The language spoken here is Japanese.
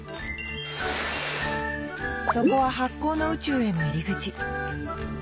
そこは発酵の宇宙への入り口。